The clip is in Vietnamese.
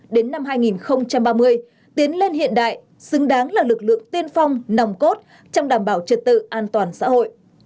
đến năm hai nghìn ba mươi tiến lên hiện đại xứng đáng là lực lượng tiên phong nòng cốt trong đảm bảo trật tự an toàn xã hội